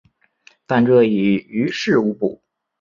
但这已于事无补。